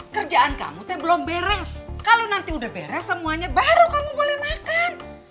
kerjaan kamu tapi belum beres kalau nanti udah beres semuanya baru kamu boleh makan